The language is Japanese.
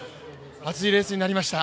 熱いレースになりました。